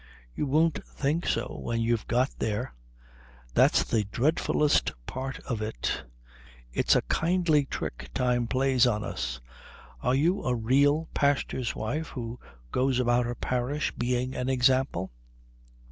"You won't think so when you've got there." "That's the dreadfullest part of it." "It's a kindly trick Time plays on us. Are you a real pastor's wife who goes about her parish being an example?"